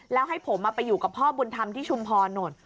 แล้วให้ผมมาไปอยู่กับพ่อบุญธรรมที่ชุมพรหน่อย